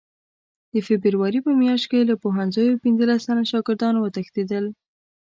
د فبروري په میاشت کې له پوهنځیو پنځلس تنه شاګردان وتښتېدل.